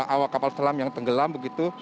awak kapal selam yang tenggelam begitu